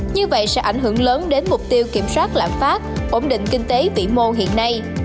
như vậy sẽ ảnh hưởng lớn đến mục tiêu kiểm soát lãm phát ổn định kinh tế vĩ mô hiện nay